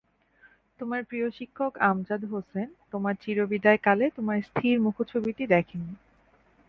তোমার প্রিয় শিক্ষক আমজাদ হোসেন তোমার চিরবিদায়কালে তোমার স্থির মুখচ্ছবিটি দেখেননি।